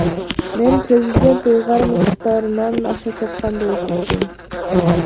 Мен президент ыйгарым укуктарынан аша чапкан деп эсептейм.